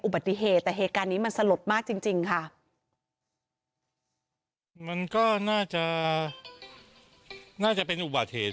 อุบัติเหตุแต่เหตุการณ์นี้มันสลดมากจริงจริงค่ะมันก็น่าจะน่าจะเป็นอุบัติเหตุ